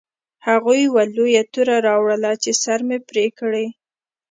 هغوی یوه لویه توره راوړه چې سر مې پرې کړي